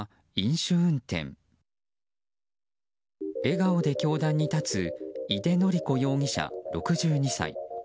笑顔で教壇に立つ井手典子容疑者、６２歳。